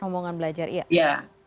rombongan belajar iya